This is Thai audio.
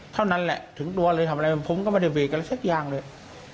เท่านั้นแหละถึงตัวเลยทำอะไรผมก็ไม่ได้เบรกอะไรสักอย่างเลย